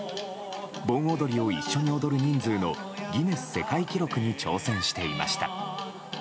盆踊りを一緒に踊る人数のギネス世界記録に挑戦していました。